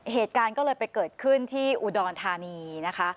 เหตุการณ์ก็เลยไปเกิดขึ้นที่อุดรธานีนะคะ